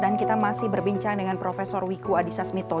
dan kita masih berbincang dengan prof wiku adhisa smito